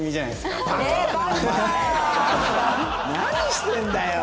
何してんだよ！